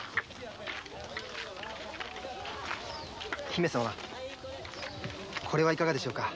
姫様これはいかがでしょうか。